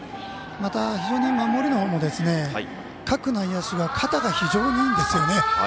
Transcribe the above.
また、非常に守りのほうも各内野手が肩が非常にいいんですよね。